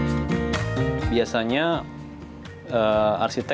sikit menggunakan sejumlah aplikasi dua dan tiga dimensi untuk menciptakan render arsitektur